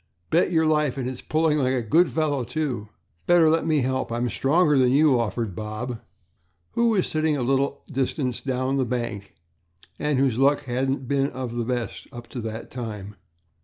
"Bet your life, and it's pulling like a good fellow, too." "Better let me help; I'm stronger than you," offered Bob, who was sitting a little distance down the bank and whose luck hadn't been of the best up to that time.